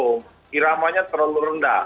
hiramanya terlalu rendah